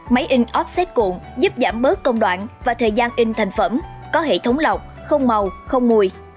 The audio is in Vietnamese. máy in offset cuộn giúp giảm bớt công đoạn và thời gian in thành phẩm có hệ thống lọc không màu không mùi